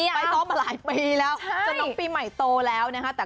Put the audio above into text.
ไปซ้อมมาหลายปีแล้วจนน้องปีใหม่โตแล้วนะคะ